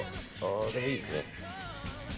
でも、いいですね。